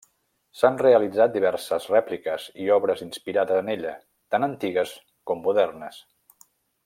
S'han realitzat diverses rèpliques i obres inspirades en ella, tant antigues com modernes.